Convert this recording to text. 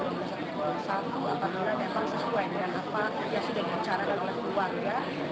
atau menurut saya sesuai dengan apa yang sudah dipercarakan oleh keluarga